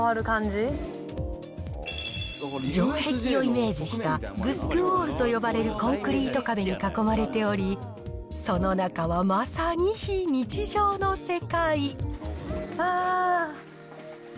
城壁をイメージした、グスクウォールと呼ばれるコンクリート壁に囲まれており、その中はまさに非日常の世界。